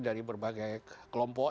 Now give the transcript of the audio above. dari berbagai kelompok